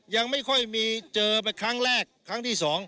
ยังไม่ค่อยมีเจอไปครั้งแรกครั้งที่๒